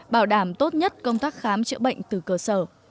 bảo đảm tốt nhất công tác khám chữa bệnh từ cơ sở